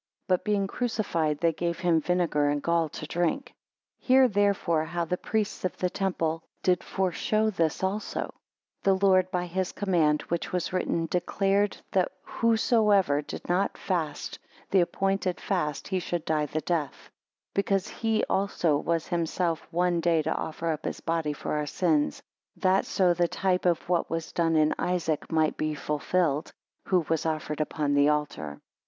But being crucified, they gave him vinegar and gall to drink. 3 Hear therefore how the priests of the temple did foreshow this also: the Lord by his command which was written, declared that whosoever did not fast the appointed fast he should die the death: because he also was himself one day to offer up his body for our sins; that so the type of what was done in Isaac might be fulfilled, who was offered upon the altar.